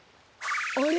あれ？